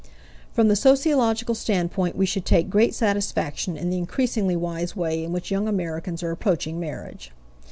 From the sociological standpoint we should take great satisfaction in the increasingly wise way in which young Americans are approaching marriage.